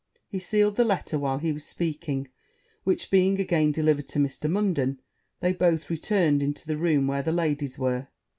He sealed the letter while he was speaking; which being again delivered to Mr. Munden, they both returned into the room where the ladies were.